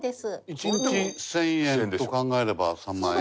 １日１０００円と考えれば３万円。